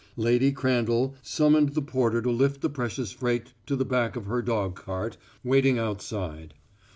Lady Crandall summoned the porter to lift the precious freight to the back of her dogcart, waiting outside.